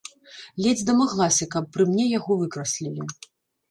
Ледзь дамаглася, каб пры мне яго выкраслілі.